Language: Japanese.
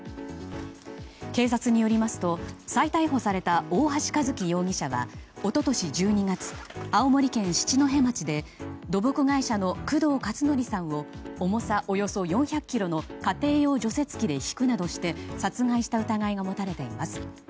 警察によりますと再逮捕された大橋一輝容疑者は一昨年１２月、青森県七戸町で土木会社の工藤勝則さんを重さおよそ４００ｋｇの家庭用除雪機でひくなどして殺害した疑いが持たれています。